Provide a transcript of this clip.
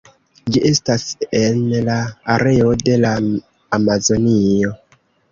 Ĝi estas en la areo de la Amazonio.